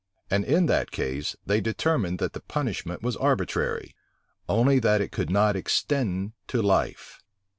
And in that case, they determined that the punishment was arbitrary; only that it could not extend to life.